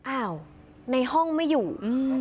อ้าวในห้องไม่อยู่